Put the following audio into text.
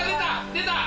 出た！